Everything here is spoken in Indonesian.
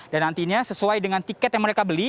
dan nantinya sesuai dengan tiket yang mereka beli